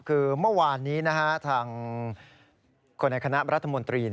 คือเมื่อวานนี้ทางคนในคณะรัฐมนตรี